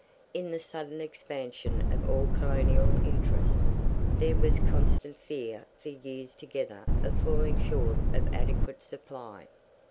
In the sudden expansion of all colonial interests, there was constant fear for years together of falling short of adequate supply.